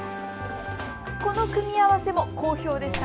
この組み合わせも好評でした。